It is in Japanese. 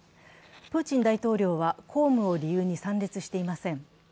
プーチン大統領は公務を理由に参列していません。